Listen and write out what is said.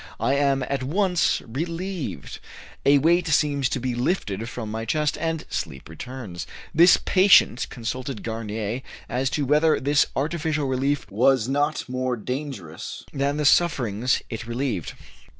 I am at once relieved; a weight seems to be lifted from my chest, and sleep returns." This patient consulted Gamier as to whether this artificial relief was not more dangerous than the sufferings it relieved.